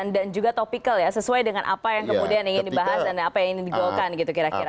dan juga topikal ya sesuai dengan apa yang kemudian ingin dibahas dan apa yang ingin digelokan gitu kira kira